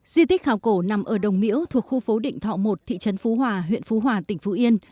di tích khảo cổ nằm ở đồng miễu thuộc khu phố định thọ một thị trấn phú hòa huyện phú hòa tỉnh phú yên